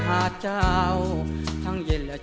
สมาธิพร้อมเพลงที่๑เพลงมาครับ